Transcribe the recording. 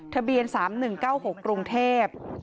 ทะเบียน๓๑๙๖กรุงเทพฯ